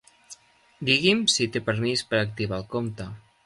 Digui'm si té permís per activar el compte.